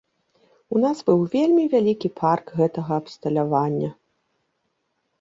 У нас быў вельмі вялікі парк гэтага абсталявання.